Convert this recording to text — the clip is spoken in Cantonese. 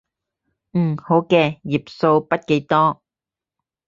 嗯，好嘅，頁數筆記多